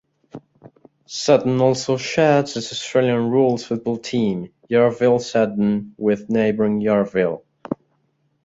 Seddon also shares its Australian Rules football team, Yarraville-Seddon, with neighbouring Yarraville.